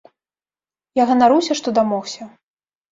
Я ганаруся, што дамогся.